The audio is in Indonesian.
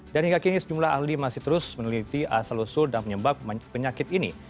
dan hingga kini sejumlah ahli masih terus meneliti asal usul dan penyebab penyakit ini